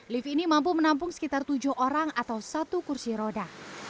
lift ini mampu menampung sekitar tujuh orang atau satu kursi roda